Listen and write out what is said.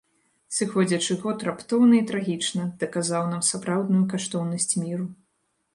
Сыходзячы год раптоўна і трагічна даказаў нам сапраўдную каштоўнасць міру.